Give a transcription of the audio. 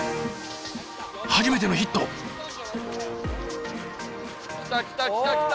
初めてのヒット。来た来た来た来た！